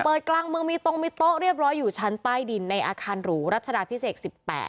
กลางเมืองมีตรงมีโต๊ะเรียบร้อยอยู่ชั้นใต้ดินในอาคารหรูรัชดาพิเศษ๑๘